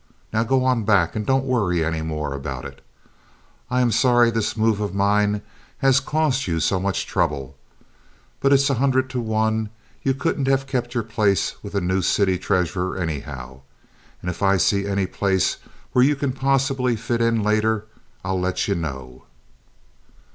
Now go on back and don't worry any more about it. I am sorry this move of mine has caused you so much trouble, but it's a hundred to one you couldn't have kept your place with a new city treasurer, anyhow, and if I see any place where you can possibly fit in later, I'll let you know."